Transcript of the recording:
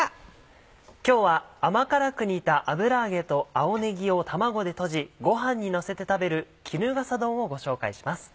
今日は甘辛く煮た油揚げと青ねぎを卵でとじご飯にのせて食べる「衣笠丼」をご紹介します。